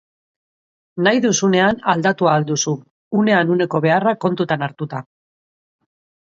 Nahi duzunean aldatu ahal duzu, unean uneko beharrak kontuan hartuta.